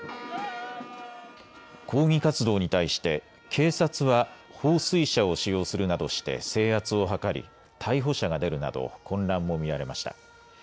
抗議活動に対して警察は放水車を使用するなどして制圧を図り逮捕者が出るなど混乱も見られました。